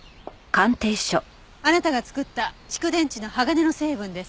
あなたが作った蓄電池の鋼の成分です。